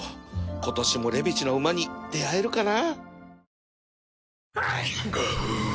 今年もレベチな馬に出合えるかな